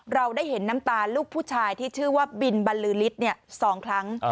เราได้เห็นน้ำตาลูกผู้ชายที่ชื่อว่าบินบรรลือฤทธิ์๒ครั้ง